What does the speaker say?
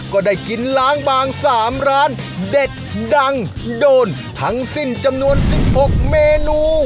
ก็ได้กินล้างบาง๓ร้านเด็ดดังโดนทั้งสิ้นจำนวน๑๖เมนู